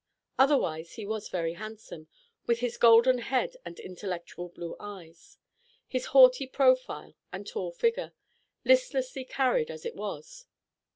Otherwise he was very handsome, with his golden head and intellectual blue eyes, his haughty profile and tall figure, listlessly carried as it was.